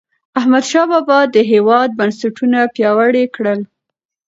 احمدشاه بابا د هیواد بنسټونه پیاوړي کړل.